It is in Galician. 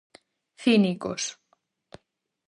Cínicos.